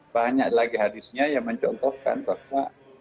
banyak lagi hadisnya yang mencontohkan bahwa